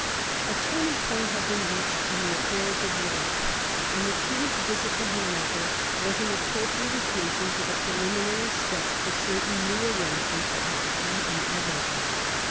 A turning point had been reached in the affairs of Europe, and the King's visit to Hanover was an appropriate occasion for the pre liminary steps to certain new arrangements that had become inevitable.